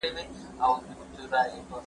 ما پرون د سبا لپاره د ليکلو تمرين وکړ؟!